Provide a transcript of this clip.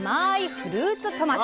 フルーツトマト。